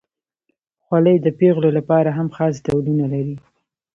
خولۍ د پیغلو لپاره هم خاص ډولونه لري.